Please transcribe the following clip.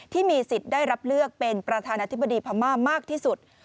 ที่มีสิทธิ์ได้รับเลือกเป็นประธานาธิบดีพม่ามากที่สุด